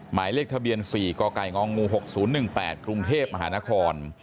หมายเลขทะเบียน๔กกง๖๐๑๘กรุงเทพมหานคร